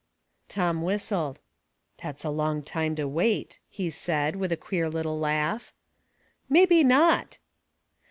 Tom whistled. '' That's a long time to wait," he said, with a queer little laugh. " Maybe not."